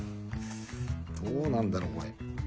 どうなんだろうこれ？